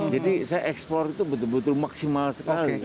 jadi saya eksplor itu betul betul maksimal sekali